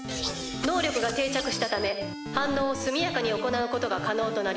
能力が定着したため反応を速やかに行うことが可能となりました」。